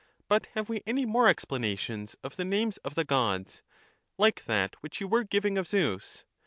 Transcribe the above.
But have we any more explanations of the names of the Gods, like that which you were giving of Zeus?